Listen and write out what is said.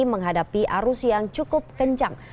menghadapi arus yang cukup kencang